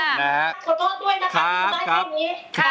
ขอโทษด้วยนะคะมีสมัยแบบนี้